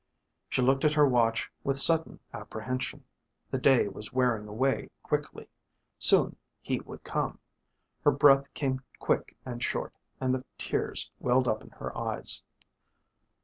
She looked at her watch with sudden apprehension. The day was wearing away quickly. Soon he would come. Her breath came quick and short and the tears welled up in her eyes.